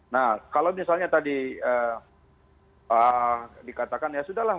nah kalau misalnya tadi dikatakan ya sudah lah